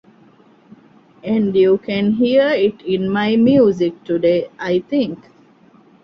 And you can hear it in my music today, I think.